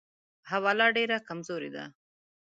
حواله ډېره کمزورې ده.